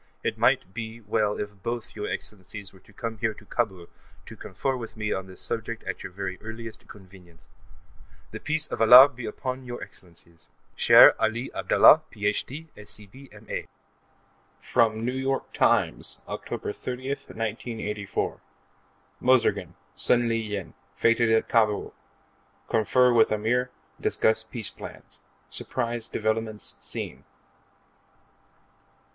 It might be well if both your Excellencies were to come here to Kabul to confer with me on this subject at your very earliest convenience. The Peace of Allah be upon both your Excellencies! Shere Ali Abdallah, Ph.D., Sc.B., M.A. From N. Y. Times, Oct. 30, 1984: MOUZORGIN, SUN LI YIN, FETED AT KABUL Confer With Ameer; Discuss Peace Plans Surprise Developments Seen....